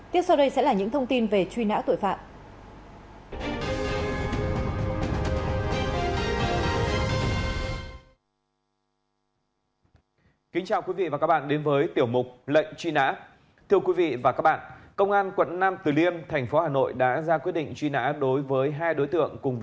tiếp sau đây sẽ là những thông tin về truy nã tội phạm